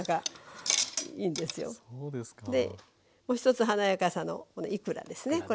もう一つ華やかさのいくらですね。